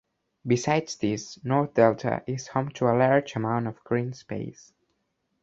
Besides this, North Delta is home to a large amount of green-space.